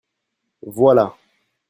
Voilà (lorsque l'on donne quelque chose).